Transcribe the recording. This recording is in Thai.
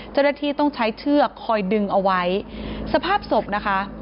เจ้าหน้าที่ต้องใช้เชือกคอยดึงเอาไว้สภาพศพนะคะ